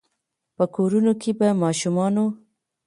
په کورونو کې به ماشومانو،